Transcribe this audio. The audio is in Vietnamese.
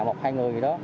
một hai người gì đó